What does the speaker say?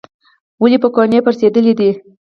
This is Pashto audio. ولې پوکڼۍ پړسیدلې ده؟